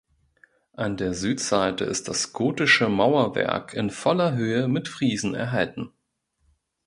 An der Südseite ist das gotische Mauerwerk in voller Höhe mit Friesen erhalten.